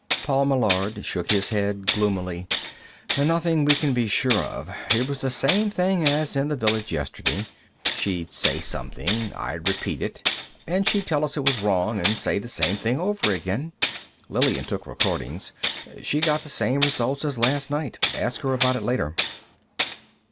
Paul Meillard shook his head gloomily. "Nothing we can be sure of. It was the same thing as in the village, yesterday. She'd say something, I'd repeat it, and she'd tell us it was wrong and say the same thing over again. Lillian took recordings; she got the same results as last night. Ask her about it later."